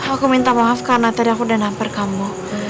aku minta maaf karena tadi aku udah nampar kamu